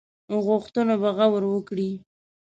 غوښتنو به غور وکړي.